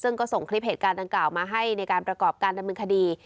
ซึ่งก็ส่งคลิปเหตุการณ์ดังกล่าวมาให้ในการประกอบการดำเนินคดี